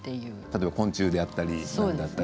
例えば、昆虫だったり。